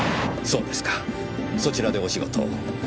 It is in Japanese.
そうですかそちらでお仕事を。